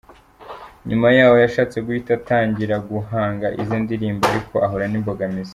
Nyuma yaho yashatse guhita atangira guhanga ize ndirimbo ariko ahura n’imbogamizi.